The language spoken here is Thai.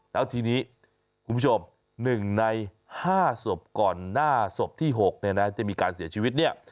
แล้วทีนี้คุณผู้ชมหนึ่งในห้าศพก่อนหน้าศพที่หกในนั้นจะมีการเสียชีวิตเนี่ย